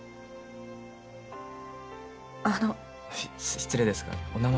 失礼ですがお名前